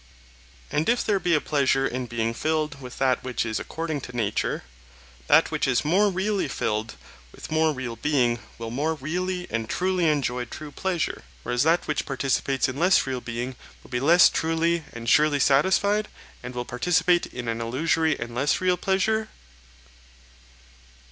And if there be a pleasure in being filled with that which is according to nature, that which is more really filled with more real being will more really and truly enjoy true pleasure; whereas that which participates in less real being will be less truly and surely satisfied, and will participate in an illusory and less real pleasure?